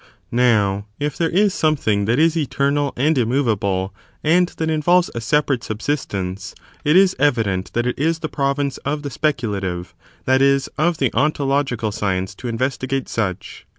s The nee s Now, if there is something that is eternal and sity of 8uch a Immovable, and that involves a separate subsist lo^^pro^ed!''*" ®^^®'^* ^8 evident that it is the province of the speculative,^ that is, of the ontological, science to investigate such.